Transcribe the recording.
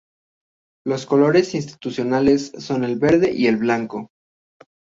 Los colores institucionales son el verde y el blanco.